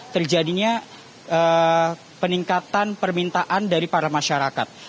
terjadinya peningkatan permintaan dari para masyarakat